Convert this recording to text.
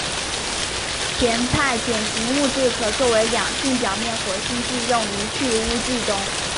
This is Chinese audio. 甜菜碱型物质可作为两性表面活性剂用于去污剂中。